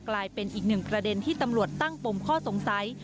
กลายเป็นอีกหนึ่งประเด็นที่ตำรวจตั้งปมข้อสงสัย